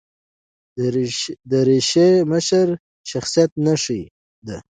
دریشي د مشر شخصیت نښه ده.